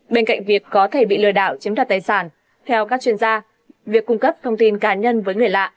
bên cạnh việc có thể bị lừa đảo chiếm đặt tài sản theo các chuyên gia việc cung cấp thông tin cá nhân với người lạ